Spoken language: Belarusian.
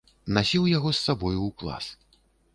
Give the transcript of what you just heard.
Насіў яго з сабою ў клас.